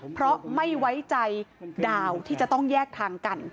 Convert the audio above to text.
เพราะไม่ไว้ใจดาวที่จะต้องแยกทางกัน